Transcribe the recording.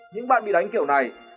những bạn bị đánh kiểu này